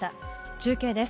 中継です。